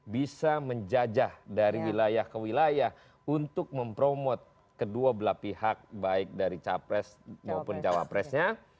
bisa menjajah dari wilayah ke wilayah untuk mempromot kedua belah pihak baik dari capres maupun cawapresnya